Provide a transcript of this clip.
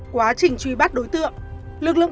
quá trình truy bắt đối tượng